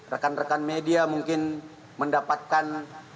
rekan rekan media mungkin mendapatkan